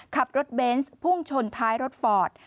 ขับรถเบนส์พุ่งชนท้ายรถฟอร์ด